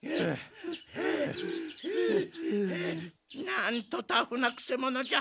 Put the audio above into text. なんとタフなくせ者じゃ。